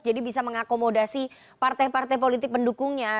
jadi bisa mengakomodasi partai partai politik pendukungnya